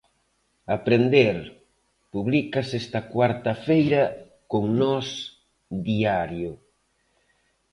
"Aprender" publícase esta cuarta feira con Nós Diario.